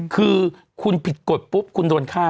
คือคุณผิดกฎปุ๊บคุณโดนฆ่า